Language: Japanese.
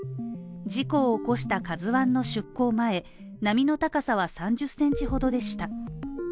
事故を起こした「ＫＡＺＵⅠ」の出港前、波の高さは３０ｃｍほどでした。